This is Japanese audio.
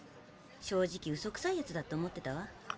正直ウソくさいやつだって思ってたわ。